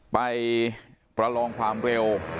ไปประลองความเร็ว